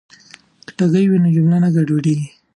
که ټکي وي نو جمله نه ګډوډیږي.